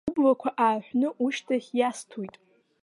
Ублақәа аарҳәны ушьҭахь иасҭоит.